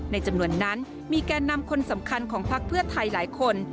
ในจำนวนนั้นมีแก่นำคนสำคัญของพักเพื่อไทยหลายคน